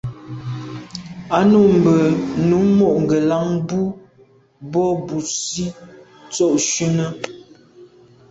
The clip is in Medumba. A num mbe num mo’ ngelan mbù bo busi tsho shune.